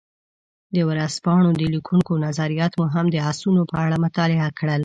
د ورځپاڼو د لیکونکو نظریات مو هم د اسونو په اړه مطالعه کړل.